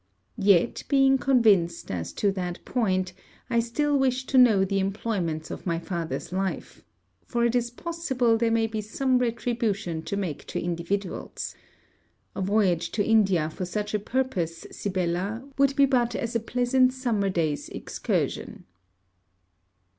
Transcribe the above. Yet, being convinced as to that point, I still wish to know the employments of my father's life: for it is possible there may be some retribution to make to individuals. A voyage to India for such a purpose, Sibella, would be but as a pleasant summer day's excursion.